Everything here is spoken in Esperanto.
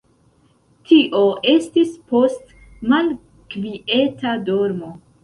Tio estis post malkvieta dormo.